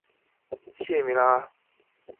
拟毛灯藓为提灯藓科毛灯藓属下的一个种。